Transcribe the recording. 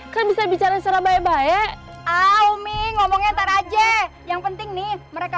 kan bisa bicara secara baik baik ah umi ngomongnya taraje yang penting nih mereka